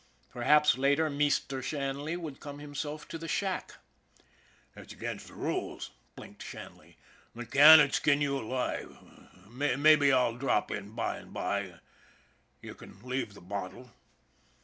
Perhaps, later, Meester Shanley would come himself to the shack. " It's against the rules," blinked Shanley. " McCann 'u'd skin you alive. Maybe I'll drop in by and by. You can leave the bottle."